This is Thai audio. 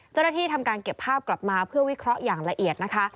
ทำการเก็บภาพกลับมาเพื่อวิเคราะห์อย่างละเอียดนะคะ